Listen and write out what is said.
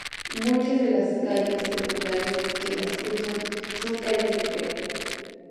Muchas de las calles secundarias que la cruzan son calles de tierra.